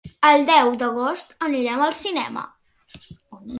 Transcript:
El deu d'agost anirem al cinema.